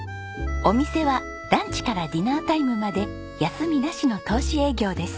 お店はランチからディナータイムまで休みなしの通し営業です。